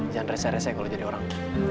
jangan rese rese kalo jadi orang